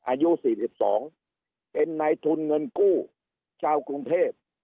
อายุสี่สิบสองเป็นไหนทุนเงินกู้ชาวกรุงเทพ